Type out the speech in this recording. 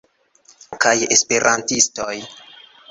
kaj esperantistoj.